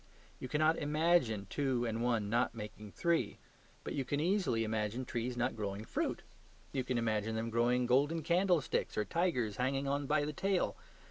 You cannot IMAGINE two and one not making three. But you can easily imagine trees not growing fruit; you can imagine them growing golden candlesticks or tigers hanging on by the tail.